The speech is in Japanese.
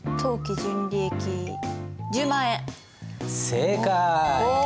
正解！